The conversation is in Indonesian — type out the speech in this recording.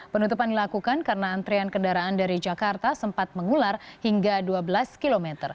penutupan dilakukan karena antrian kendaraan dari jakarta sempat mengular hingga dua belas km